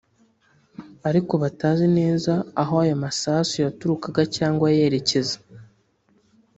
ariko batazi neza aho ayo masasu yaturukaga cyangwa yerekeza